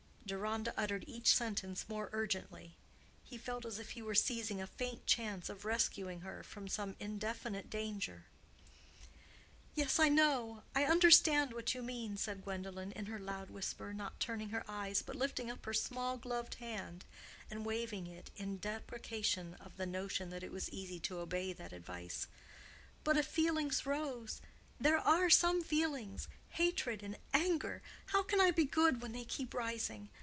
Deronda uttered each sentence more urgently; he felt as if he were seizing a faint chance of rescuing her from some indefinite danger. "Yes, I know; I understand what you mean," said Gwendolen in her loud whisper, not turning her eyes, but lifting up her small gloved hand and waving it in deprecation of the notion that it was easy to obey that advice. "But if feelings rose—there are some feelings—hatred and anger—how can I be good when they keep rising?